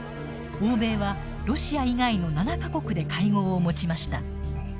欧米はロシア以外の７か国で会合を持ちました。